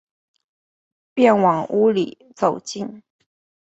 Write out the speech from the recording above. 便往屋里走进